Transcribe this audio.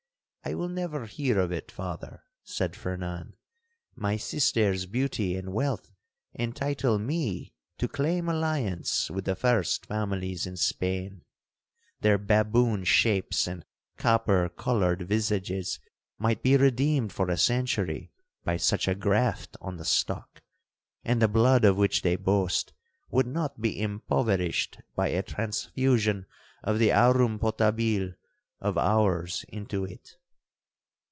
'I will never hear of it, Father,' said Fernan; 'my sister's beauty and wealth entitle me to claim alliance with the first families in Spain—their baboon shapes and copper coloured visages might be redeemed for a century by such a graft on the stock, and the blood of which they boast would not be impoverished by a transfusion of the aurum potabile of ours into it.'